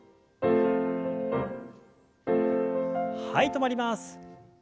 はい止まります。